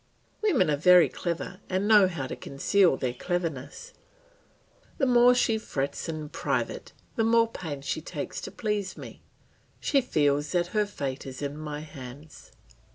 Women are very clever and know how to conceal their cleverness; the more she frets in private, the more pains she takes to please me; she feels that her fate is in my hands.